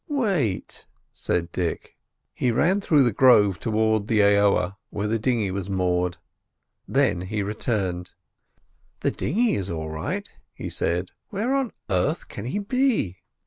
"Wait," said Dick. He ran through the grove towards the aoa where the dinghy was moored; then he returned. "The dinghy is all right," he said. "Where on earth can he be?"